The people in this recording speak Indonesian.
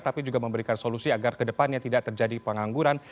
tapi juga memberikan solusi agar kedepannya tidak terjadi pengangguran